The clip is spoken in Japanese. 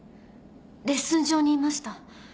レッスン場にいました。